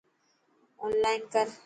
اونلائن ڪر.